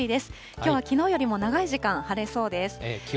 きょうはきのうよりも長い時間晴れそうです。